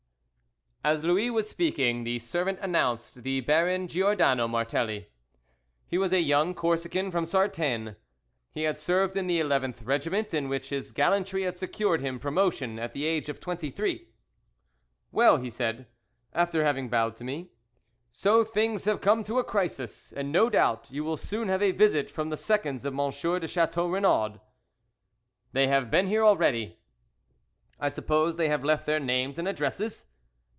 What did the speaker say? AS Louis was speaking, the servant announced the Baron Giordano Martelli. He was a young Corsican from Sartène. He had served in the 11th Regiment, in which his gallantry had secured him promotion at the age of twenty three. "Well," he said, after having bowed to me, "so things have come to a crisis, and no doubt you will soon have a visit from the seconds of Monsieur de Chateau Renaud." "They have been here already." "I suppose they have left their names and addresses?"